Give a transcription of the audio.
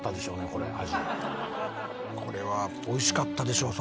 これはおいしかったでしょう